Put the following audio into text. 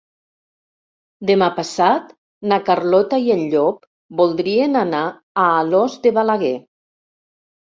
Demà passat na Carlota i en Llop voldrien anar a Alòs de Balaguer.